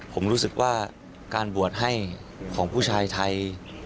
ผมรู้สึกว่าการบวชให้ของผู้ชายไทย